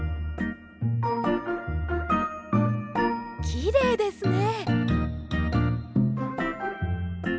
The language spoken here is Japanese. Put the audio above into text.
きれいですね。